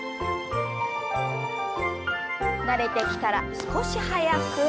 慣れてきたら少し速く。